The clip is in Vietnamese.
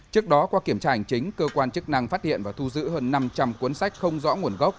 trước đó qua kiểm tra hành chính cơ quan chức năng phát hiện và thu giữ hơn năm trăm linh cuốn sách không rõ nguồn gốc